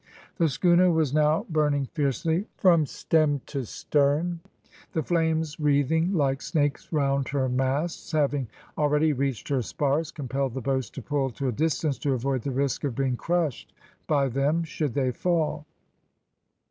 The schooner was now burning fiercely from stem to stern; the flames wreathing like snakes round her masts, having already reached her spars, compelled the boats to pull to a distance to avoid the risk of being crushed by them should they fall.